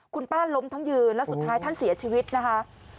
คุณป้าล้มทั้งยืนแล้วสุดท้ายท่านเสียชีวิตนะคะ